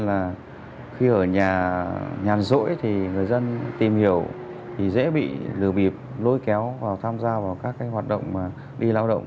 cho nên là khi ở nhà nhàn rỗi thì người dân tìm hiểu thì dễ bị lừa bịp lối kéo vào tham gia vào các hoạt động đi lao động